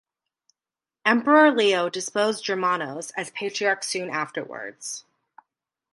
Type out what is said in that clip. Emperor Leo deposed Germanos as patriarch soon afterwards.